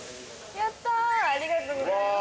やったありがとうございます。